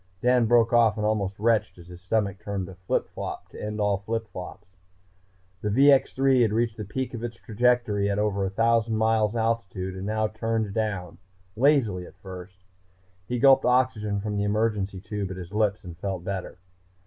Dan broke off and almost retched as his stomach turned a flip flop to end all flip flops. The VX 3 had reached the peak of its trajectory at over 1000 miles altitude and now turned down, lazily at first. He gulped oxygen from the emergency tube at his lips and felt better.